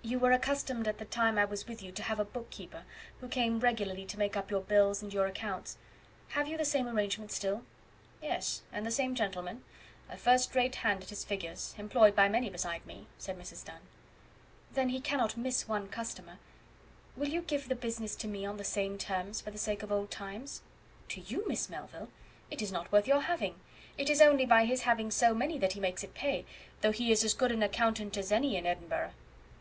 "You were accustomed at the time I was with you to have a bookkeeper, who came regularly to make up your bills and your accounts. Have you the same arrangement still?" "Yes, and the same gentleman; a first rate hand at his figures; employed by many beside me," said Mrs. Dunn. "Then he cannot miss one customer. Will you give the business to me on the same terms, for the sake of old times?" "To you, Miss Melville! it is not worth your having. It is only by his having so many that he makes it pay, though he is as good an accountant as any in Edinburgh."